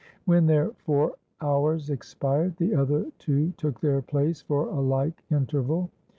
When their four hours expired, the other two took their place for a like interval.